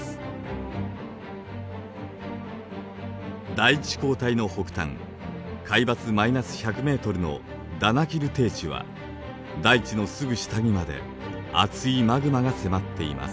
大地溝帯の北端海抜マイナス１００ｍのダナキル低地は大地のすぐ下にまで熱いマグマが迫っています。